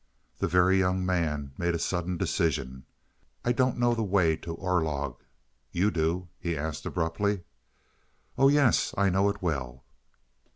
The Very Young Man made a sudden decision. "I don't know the way to Orlog; you do?" he asked abruptly. "Oh yes, I know it well."